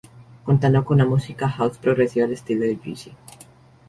Contando con una música house progresiva al estilo de Juicy.